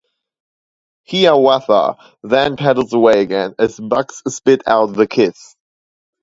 Hiawatha then paddles away again, as Bugs "spits out" the kiss.